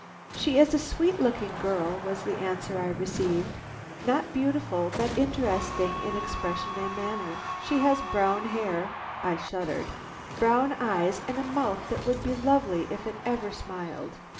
"She is a sweet looking girl," was the answer I received; "not beautiful, but interesting in expression and manner. She has brown hair," I shuddered, "brown eyes, and a mouth that would be lovely if it ever smiled.